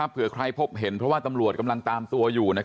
เผื่อใครพบเห็นเพราะว่าตำรวจกำลังตามตัวอยู่